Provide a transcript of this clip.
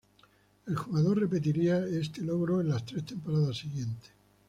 El jugador repetiría este logro en las tres temporadas siguientes.